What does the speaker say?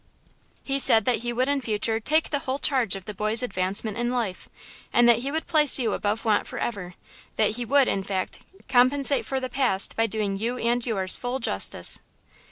"He said that he would in future take the whole charge of the boy's advancement in life, and that he would place you above want forever: that he would, in fact, compensate for the past by doing you and yours full justice."